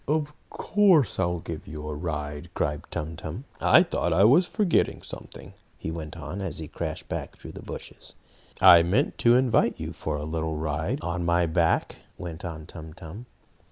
"Of course I'll give you a ride!" cried Tum Tum. "I thought I was forgetting something," he went on, as he crashed back through the bushes. "I meant to invite you for a little ride on my back," went on Tum Tum.